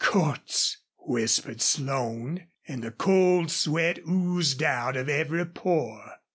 "CORDTS!" whispered Slone and the cold sweat oozed out of every pore.